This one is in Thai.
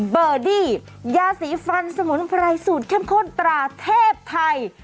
เบอร์ดี้ยาสีฟันสมุนไพรสูตรเข้มข้นตราเทพไทย